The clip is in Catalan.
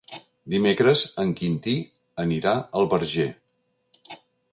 Dimecres en Quintí anirà al Verger.